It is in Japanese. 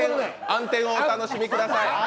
暗転をお楽しみください。